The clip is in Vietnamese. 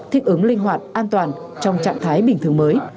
thích ứng linh hoạt an toàn trong trạng thái bình thường mới